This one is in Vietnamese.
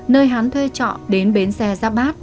nơi hắn thuê trọ đến bến xe giáp bát